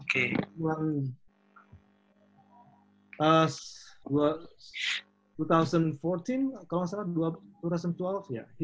dua ribu empat belas kalau nggak salah dua ribu dua belas